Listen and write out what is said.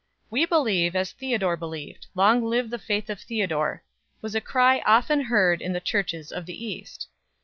"We believe as Theodore believed; long live the faith of Theodore," was a cry often heard in the Churches of the East 4